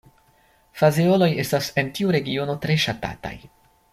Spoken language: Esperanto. Fazeoloj estas en tiu regiono tre ŝatataj.